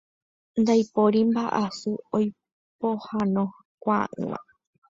Ndaipóri mba'asy oipohãnokuaa'ỹva.